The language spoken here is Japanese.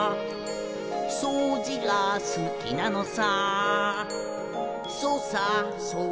「そうじがすきなのさ」